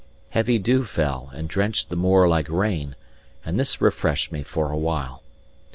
Heavy dew fell and drenched the moor like rain; and this refreshed me for a while.